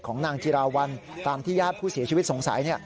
นางจิราวัลตามที่ญาติผู้เสียชีวิตสงสัย